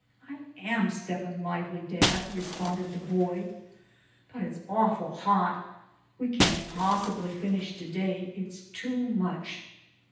"I AM steppin' lively, dad," responded the boy, "but it's awful hot. We can't possibly finish to day. It's too much."